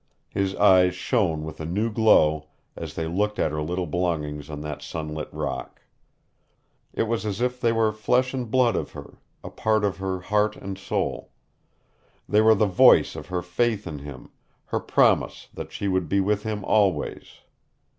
His eyes shone with a new glow as they looked at her little belongings on the sunlit rock. It was as if they were flesh and blood of her, a part of her heart and soul. They were the voice of her faith in him, her promise that she would be with him always.